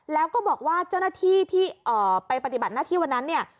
แล้วก็บอกว่าเจ้าหน้าที่ที่ไปปฏิบัติหน้าที่วันนั้นเนี่ย